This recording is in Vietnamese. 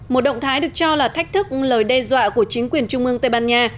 một động thái được cho là thách thức lời đe dọa của chính quyền trung ương tây ban nha